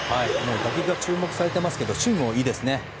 打撃が注目されていますけど守備もいいですね。